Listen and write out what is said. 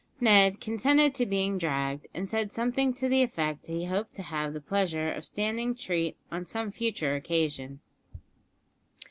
Ned consented to be dragged, and said something to the effect that he hoped to have the pleasure of standing treat on some future occasion.